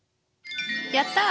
やった！